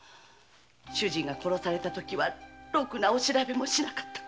主人が殺されたときはろくなお調べもしなかったくせに。